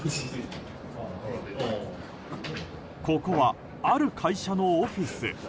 ここは、ある会社のオフィス。